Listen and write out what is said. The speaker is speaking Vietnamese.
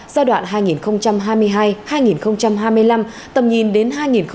giai đoạn hai nghìn hai mươi hai hai nghìn hai mươi năm tầm nhìn đến hai nghìn ba mươi